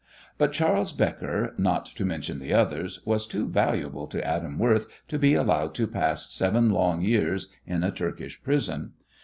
But Charles Becker, not to mention the others, was too valuable to Adam Worth to be allowed to pass seven long years in a Turkish prison.